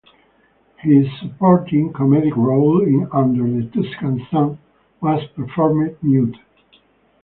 His supporting comedic role in "Under the Tuscan Sun" was performed mute.